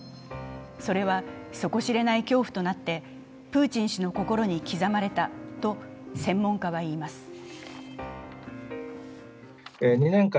それは、底知れない恐怖となってプーチン氏の心に刻まれたと専門家は言います。